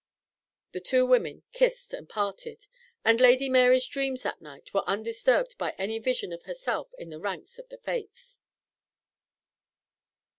The two women kissed and parted; and Lady Mary's dreams that night were undisturbed by any vision of herself in the ranks of the Fates.